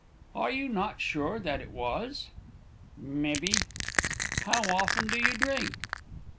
"'Are you not sure that it was?' "'Mebbee.' "'How often do you drink?'